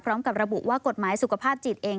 พร้อมกับระบุว่ากฎหมายสุขภาพจิตเอง